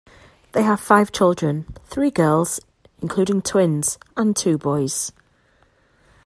They have five children, three girls, including twins, and two boys.